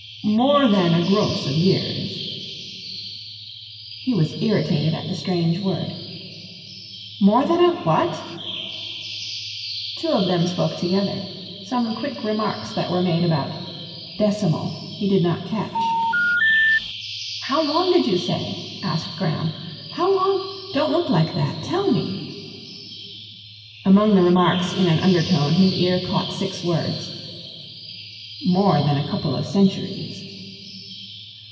"More than a gross of years." He was irritated at the strange word. "More than a what?" Two of them spoke together. Some quick remarks that were made about "decimal" he did not catch. "How long did you say?" asked Graham. "How long? Don't look like that. Tell me." Among the remarks in an undertone, his ear caught six words: "More than a couple of centuries."